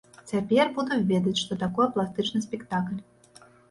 Цяпер буду ведаць, што такое пластычны спектакль.